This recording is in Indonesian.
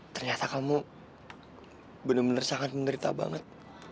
ternyata kamu bener bener sangat mengerita banget